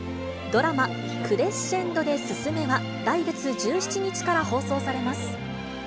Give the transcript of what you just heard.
ドラマ、クレッシェンドで進めは来月１７日から放送されます。